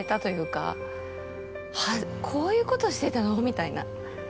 はっこういうことしてたの⁉みたいな。